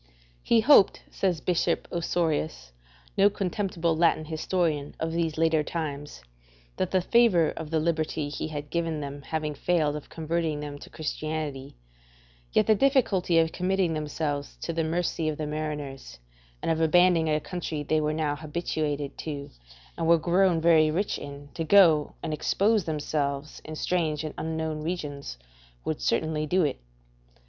He hoped, says Bishop Osorius, no contemptible Latin historian of these later times, that the favour of the liberty he had given them having failed of converting them to Christianity, yet the difficulty of committing themselves to the mercy of the mariners and of abandoning a country they were now habituated to and were grown very rich in, to go and expose themselves in strange and unknown regions, would certainly do it.